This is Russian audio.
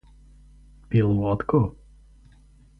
Пил водку?